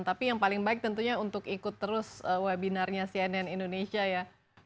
tapi yang paling baik tentunya untuk ikut terus webinarnya cnn indonesia ya